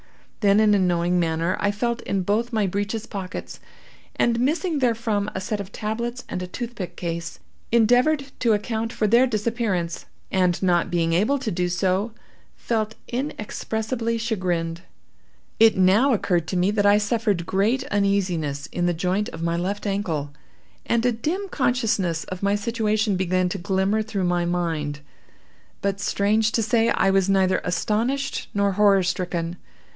Then, in a knowing manner, I felt in both my breeches pockets, and, missing therefrom a set of tablets and a toothpick case, endeavored to account for their disappearance, and not being able to do so, felt inexpressibly chagrined. It now occurred to me that I suffered great uneasiness in the joint of my left ankle, and a dim consciousness of my situation began to glimmer through my mind. But, strange to say! I was neither astonished nor horror stricken.